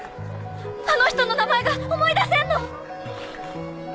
あの人の名前が思い出せんの！